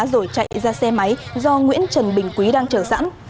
rồi chạy ra xe máy do nguyễn trần bình quý đang chờ sẵn